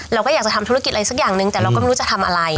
เราก็อยากจะทำธุรกิจอะไรสักอย่างนึงแต่เราก็ไม่รู้จะทำอะไร